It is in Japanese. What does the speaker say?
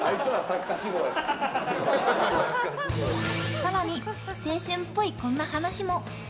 更に、青春っぽいこんな話も。